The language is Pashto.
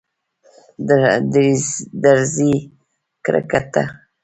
درځی کرکټ ته